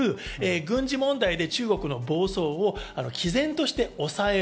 軍事問題で中国の暴走を毅然として抑える。